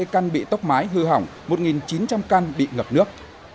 một một trăm hai mươi căn bị tốc mái hư hỏng một chín trăm linh căn bị ngập nước